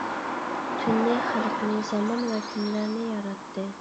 تۈننى، خەلقنى، زامان ۋە كۈنلەرنى ياراتتى.